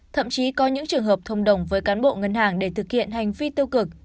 thậm chí có những trường hợp thông đồng với cán bộ ngân hàng để thực hiện hành vi tiêu cực